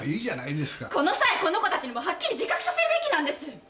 この際この子たちにもはっきり自覚させるべきなんです！